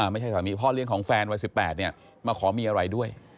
สามีพ่อเลี้ยงของแฟนวัย๑๘มาขอมีอะไรด้วย